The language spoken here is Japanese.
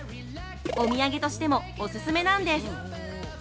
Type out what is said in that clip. お土産としてもお勧めなんです。